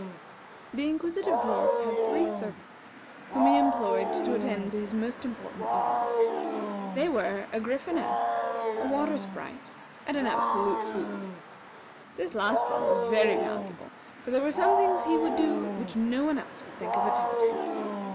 The Inquisitive Dwarf had three servants whom he employed to attend to his most important business. These were a Gryphoness, a Water Sprite, and an Absolute Fool. This last one was very valuable; for there were some things he would do which no one else would think of attempting.